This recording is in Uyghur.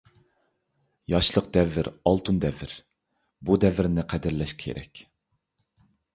ياشلىق — دەۋر ئالتۇن دەۋر. بۇ دەۋرىنى قەدىرلەش كېرەك.